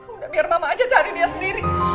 udah biar mama aja cari dia sendiri